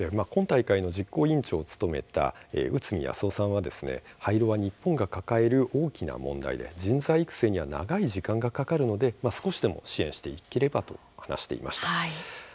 今大会の実行委員長を務めた内海康雄さんは廃炉は日本が抱える大きな問題で人材育成には長い時間がかかるので少しでも支援していければと話していました。